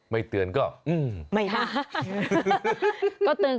ไม่เตือนก็มาใจ